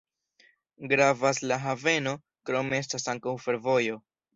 Gravas la haveno, krome estas ankaŭ fervojo.